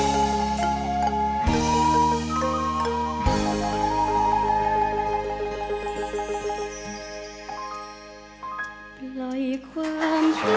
แม้จะเหนื่อยหล่อยเล่มลงไปล้องลอยผ่านไปถึงเธอ